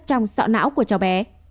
trong sọ não của cháu bé